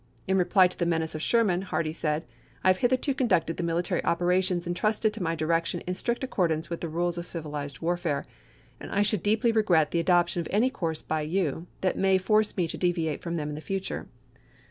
In reply to the menace of Sherman, Hardee said :" I have hitherto conducted the military operations in trusted to my direction in strict accordance with the rules of civilized warfare, and I should deeply regret the adoption of any course by you that may ibid., p. 211. 492 ABEAHAM LINCOLN chap. xx. f orce me to deviate from theru in future."